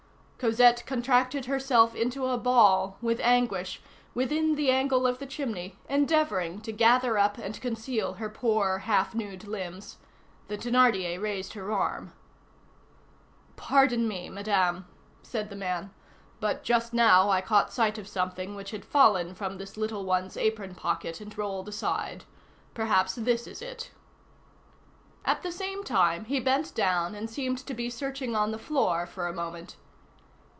Cosette contracted herself into a ball, with anguish, within the angle of the chimney, endeavoring to gather up and conceal her poor half nude limbs. The Thénardier raised her arm. "Pardon me, Madame," said the man, "but just now I caught sight of something which had fallen from this little one's apron pocket, and rolled aside. Perhaps this is it." At the same time he bent down and seemed to be searching on the floor for a moment.